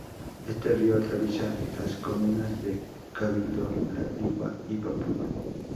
Este río atraviesa las comunas de Cabildo, La Ligua y Papudo.